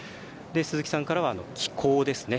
鈴木さんからは、キ甲ですね。